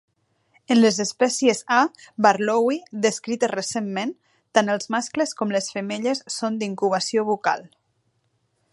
En les espècies A. barlowi descrites recentment, tant els mascles com les femelles són d'incubació bucal.